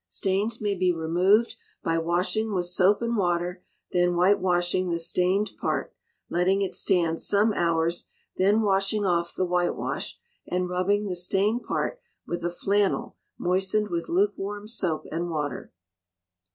Stains may be removed by washing with soap and water, then whitewashing the stained part, letting it stand some hours, then washing off the whitewash, and rubbing the stained part with a flannel moistened with lukewarm soap and water.